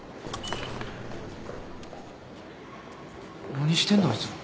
何してんだあいつら。